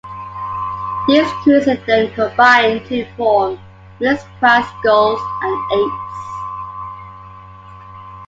These crews then combined to form Mixed Quad Sculls and Eights.